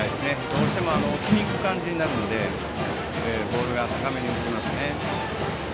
どうしても置きに行く感じになるのでボールが高めに浮きますね。